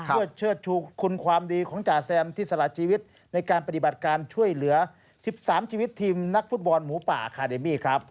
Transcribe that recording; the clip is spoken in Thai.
เพื่อเชิดชูคุณความดีของจ่าแซมที่สละชีวิตในการปฏิบัติการช่วยเหลือ๑๓ชีวิตทีมนักฟุตบอลหมูป่าอาคาเดมี่ครับ